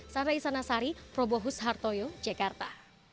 tanda isana sari probohus hartoyo jakarta